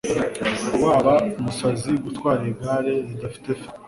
Waba umusazi gutwara igare ridafite feri.